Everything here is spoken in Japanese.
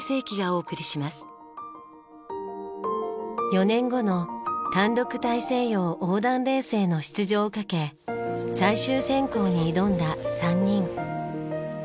４年後の単独大西洋横断レースへの出場をかけ最終選考に挑んだ３人。